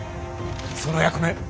その役目